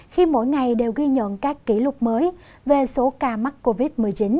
khi mỗi ngày đều ghi nhận các kỷ lục mới về số ca mắc covid một mươi chín